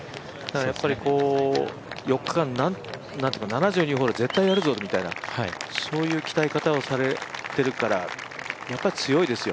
やっぱり４日間、７２ホール絶対やるぞみたいなそういう鍛え方をされてるからやっぱり強いですよ。